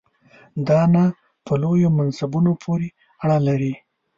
دا نه په لویو منصبونو پورې اړه لري.